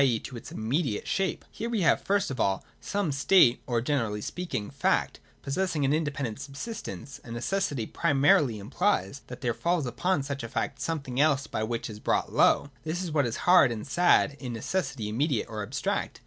e. to its immediate shape. Here we have, first of all, some state or, generally speaking, fact, possessing an independent subsistence : and necessity primarily implies that there falls upon such a fact something else by which it is brought low. This is what is hard and sad in necessity immediate or abstract.